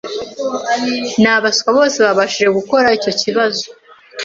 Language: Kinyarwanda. N'abaswa bose babashije gukora icyo kibazo